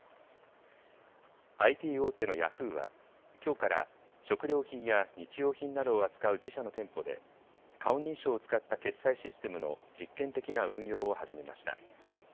ＩＴ大手のヤフーはきょうから食料品や日用品などを扱う自社の店舗で顔認証を使った決済システムの実験的な運用を始めました。